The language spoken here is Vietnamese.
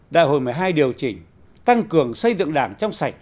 đại hội một mươi hai điều chỉnh tăng cường xây dựng đảng trong sạch